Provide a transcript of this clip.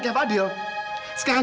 kalian bisa berhubungan